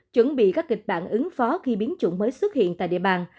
chuẩn bị các kịch bản ứng phó khi biến chủng mới xuất hiện tại địa bàn